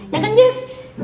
ya kan jess